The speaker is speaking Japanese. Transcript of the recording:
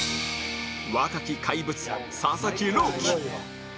若き怪物佐々木朗希